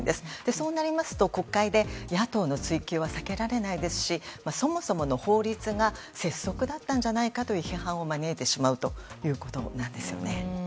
そうなりますと国会で野党の追及は避けられないですしそもそもの法律が拙速だったんじゃないかという批判を招いてしまうということなんですよね。